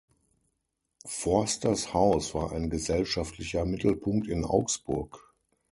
Forsters Haus war ein „gesellschaftlicher Mittelpunkt in Augsburg“.